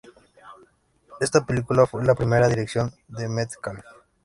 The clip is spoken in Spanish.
Esta película fue la primera dirección de Metcalfe.